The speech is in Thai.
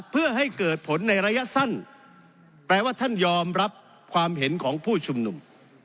เพื่อให้เกิดผลในระยะสั้นแปลว่าท่านยอมรับความเห็นของผู้ชุมนุม